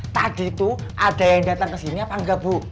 tadi tuh ada yang datang kesini apa enggak bu